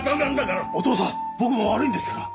お義父さん僕も悪いんですから。